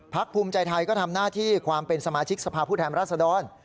ภูมิใจไทยก็ทำหน้าที่ความเป็นสมาชิกสภาพผู้แทนรัศดร